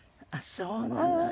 そうなの。